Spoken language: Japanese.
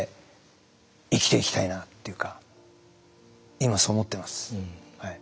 今そう思ってます。